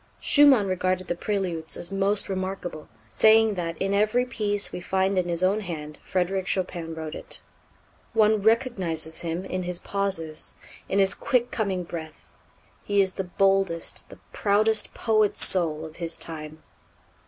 Schumann regarded the Préludes as most remarkable, saying that "in every piece we find in his own hand 'Frédéric Chopin wrote it.' One recognizes him in his pauses, in his quick coming breath. He is the boldest, the proudest poet soul of his time."